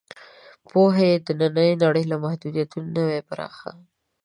پوهه یې د نننۍ نړۍ له محدودې نه وي پراخ.